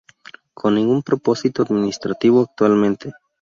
Con ningún propósito administrativo actualmente.